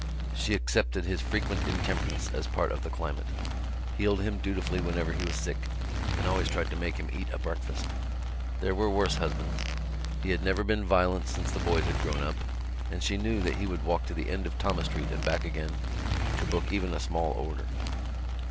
She accepted his frequent intemperance as part of the climate, healed him dutifully whenever he was sick and always tried to make him eat a breakfast. There were worse husbands. He had never been violent since the boys had grown up and she knew that he would walk to the end of Thomas Street and back again to book even a small order.